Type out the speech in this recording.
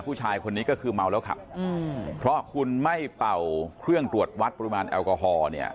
ผู้ชายคนนี้ก็คือเมาแล้วขับเพราะคุณไม่เป่าเครื่องตรวจวัดปริมาณแอลกอฮอล์เนี่ย